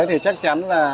thì chắc chắn là